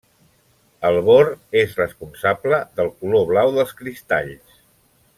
El bor és responsable del color blau dels cristalls.